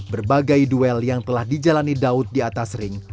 berbagai duel yang telah dijalani daud di atas ring